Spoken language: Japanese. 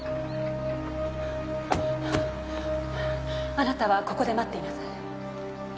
あなたはここで待っていなさい。